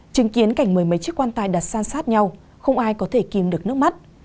chứng kiến cảnh mười mấy chiếc quan tài đặt san sát nhau không ai có thể kìm được nước mắt